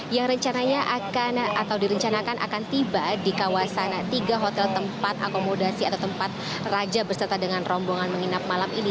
yang rencananya akan atau direncanakan akan tiba di kawasan tiga hotel tempat akomodasi atau tempat raja berserta dengan rombongan menginap malam ini